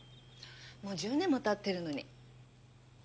もう１０年も経ってるのに。